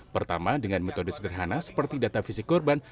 pertama dengan metode sederhana seperti data fisik korban